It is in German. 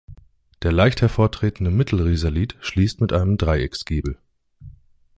Der leicht hervortretende Mittelrisalit schließt mit einem Dreiecksgiebel.